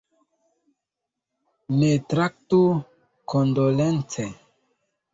Ne traktu kondolence!